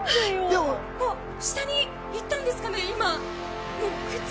下に行ったんですかね。